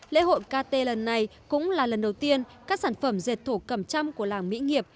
lễ hội kt lần này cũng là lần đầu tiên các sản phẩm dệt thổ cầm trăm của làng mỹ nghiệp